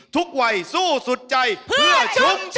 วัยสู้สุดใจเพื่อชุมชน